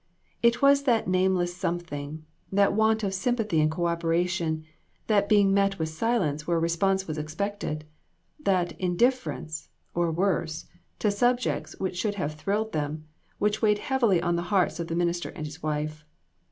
It was that nameless some thing, that want of sympathy and co operation, that being met with silence where response was expected, that indifference (or worse) to subjects which should have thrilled them, which weighed heavily on the hearts of the minister and his wife.